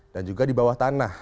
dan juga di bawah tanah